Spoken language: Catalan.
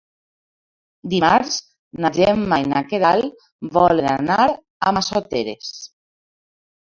Dimarts na Gemma i na Queralt volen anar a Massoteres.